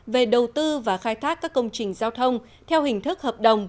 về đầu tư và khai thác các công trình giao thông theo hình thức hợp đồng